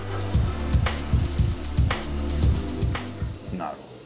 なるほど。